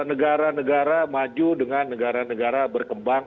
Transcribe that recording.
negara negara maju dengan negara negara berkembang